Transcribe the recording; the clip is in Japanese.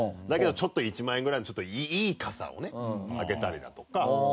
だけどちょっと１万円ぐらいのいい傘をねあげたりだとか。